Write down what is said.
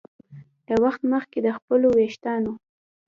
له وخت مخکې د خپلو ویښتانو